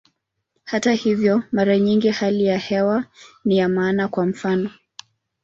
Hata hivyo, mara nyingi hali ya hewa ni ya maana, kwa mfano.